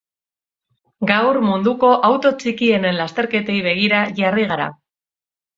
Gaur, munduko auto txikienen lasterketei begira jarri gara.